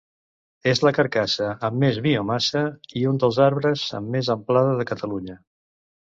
És la carrasca amb més biomassa i un dels arbres amb més amplada de Catalunya.